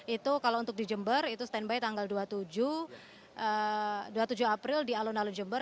itu kalau untuk di jember itu standby tanggal dua puluh tujuh dua puluh tujuh april di alun alun jember